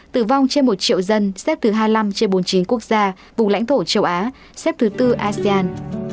tử vong trên một triệu dân xếp thứ hai mươi năm trên bốn mươi chín quốc gia vùng lãnh thổ châu á xếp thứ tư asean